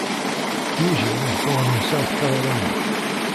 Huger was born in South Carolina.